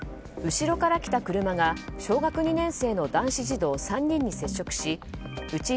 後ろから来た車が小学２年生の男子児童３人に接触しうち